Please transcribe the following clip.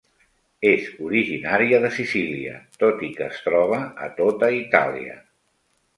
És originària de Sicília, tot i que es troba a tota Itàlia.